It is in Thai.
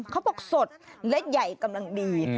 เขาบอกสดและใหญ่กำลังดี